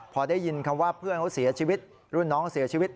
พอได้ยินคำว่าเพื่อนเขาเสียชีวิตรุ่นน้องเสียชีวิต